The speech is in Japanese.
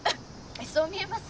そう見えます？